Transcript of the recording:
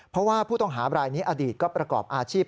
เพราะว่าผู้ต้องหาบรายนี้อดีตก็ประกอบอาชีพ